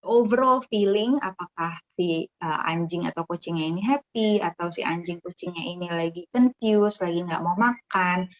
overall feeling apakah si anjing atau kucingnya ini happy atau si anjing kucingnya ini lagi confuse lagi nggak mau makan